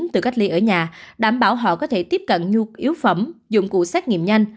từ cách ly ở nhà đảm bảo họ có thể tiếp cận nhu yếu phẩm dụng cụ xét nghiệm nhanh